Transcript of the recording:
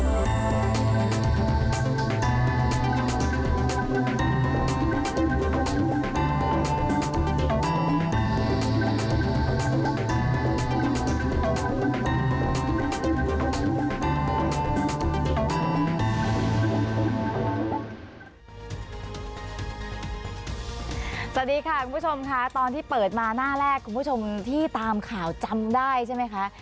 สวัสดีค่ะคุณผู้ชมค่ะตอนที่เปิดมาหน้าแรกคุณผู้ชมที่ตามข่าวจำได้ใช่ไหมคะ